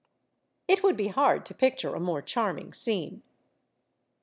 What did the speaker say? It would be hard to picture a more charming scene.